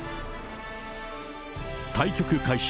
対局開始